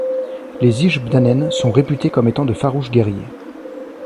Les Ichebdanen sont réputés comme étant de farouches guerriers.